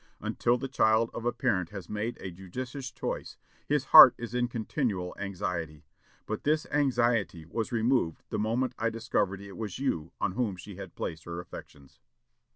Until the child of a parent has made a judicious choice, his heart is in continual anxiety; but this anxiety was removed the moment I discovered it was you on whom she placed her affections."